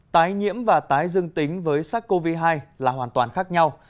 tái nhiễm và tái dương tính với sars cov hai là hoàn toàn khác nhau